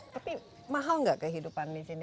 tapi mahal nggak kehidupan di sini